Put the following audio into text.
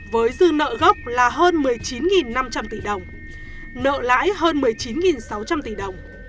với dư nợ gốc là hơn một mươi chín năm trăm linh tỷ đồng nợ lãi hơn một mươi chín sáu trăm linh tỷ đồng